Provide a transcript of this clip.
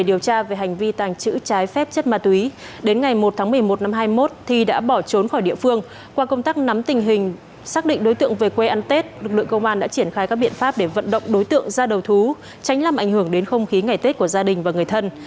đối tượng thi đã bỏ trốn khỏi địa phương qua công tác nắm tình hình xác định đối tượng về quê ăn tết lực lượng công an đã triển khai các biện pháp để vận động đối tượng ra đầu thú tránh làm ảnh hưởng đến không khí ngày tết của gia đình và người thân